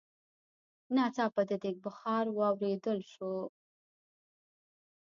ناڅاپه د ديګ بخار واورېدل شو.